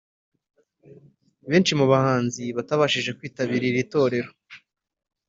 Benshi mu bahanzi batabashije kwitabira iri torero